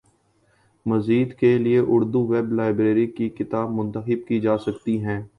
مزید کے لیے اردو ویب لائبریری کی کتب منتخب کی جا سکتی ہیں